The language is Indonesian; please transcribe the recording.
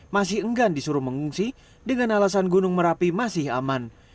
masih enggan disuruh mengungsi dengan alasan gunung merapi masih aman